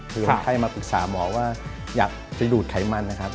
คือคนไข้มาปรึกษาหมอว่าอยากจะดูดไขมันนะครับ